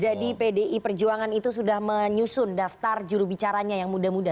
jadi pdi perjuangan itu sudah menyusun daftar jurubicaranya yang muda muda